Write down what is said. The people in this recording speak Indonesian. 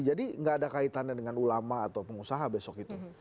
jadi gak ada kaitannya dengan ulama atau pengusaha besok itu